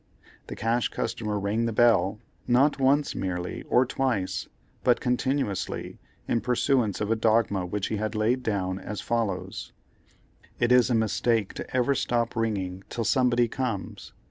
The Cash Customer rang the bell, not once merely, or twice, but continuously, in pursuance of a dogma which he laid down as follows: "It is a mistake to ever stop ringing till somebody comes.